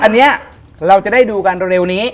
อันนี้เราจะได้ดูกันเร็วนี้